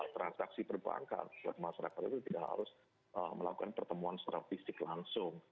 transaksi perbankan masyarakat itu tidak harus melakukan pertemuan statistik langsung